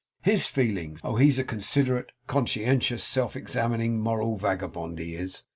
HIS feelings! Oh, he's a considerate, conscientious, self examining, moral vagabond, he is!